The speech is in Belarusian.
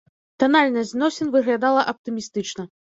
Танальнасць зносін выглядала аптымістычна.